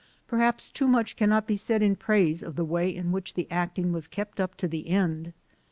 "Perhaps too much cannot be said in praise of the way in which the acting was kept up to the end.